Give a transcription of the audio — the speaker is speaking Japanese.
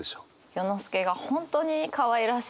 世之介が本当にかわいらしい。